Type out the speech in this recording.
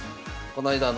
こないだ